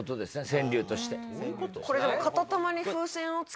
川柳として。